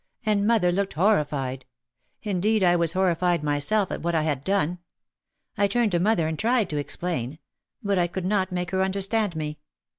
And mother looked hor rified. Indeed, I was horrified myself at what I had done. I turned to mother and tried to explain. But I could not make her understand me.